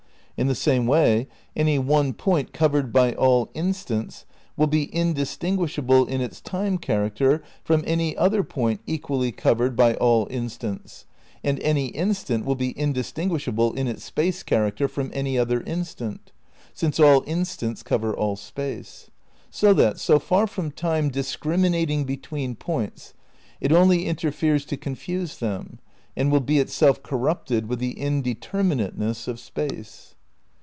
In the same way, any one point covered by all instants will be indistinguishable in its time character from any other point equally covered 174 THE NEW IDEALISM v by all instants, and any instant will be indistinguishable in its space character from any other instant, since all instants cover all Space; so that, so far from Time discriminating between points, it only interferes to con fuse them and will be itself corrupted with the indeter minateness of Space.